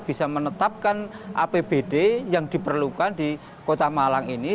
bisa menetapkan apbd yang diperlukan di kota malang ini